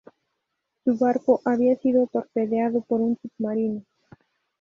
Su barco había sido torpedeado por un submarino.